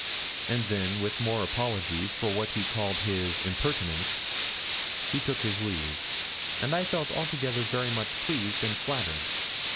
And then with more apologies for what he called his impertinence, he took his leave, and I felt altogether very much pleased and flattered.